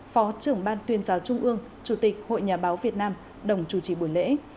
phó trưởng ban tuyên giáo trung ương chủ tịch hội nhà báo việt nam đồng chủ trì buổi lễ